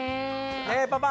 ねえパパ